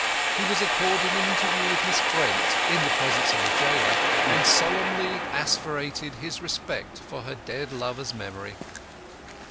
He was accorded an interview with Miss Brent in the presence of a gaoler, and solemnly asseverated his respect for her dead lover's memory.